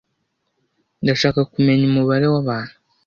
Ndashaka kumenya umubare wabantu